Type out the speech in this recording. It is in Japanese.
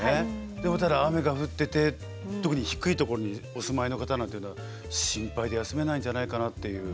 でもただ雨が降ってて特に低いところにお住まいの方なんていうのは心配で休めないんじゃないかなっていう。